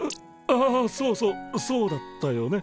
ああそうそうそうだったよね。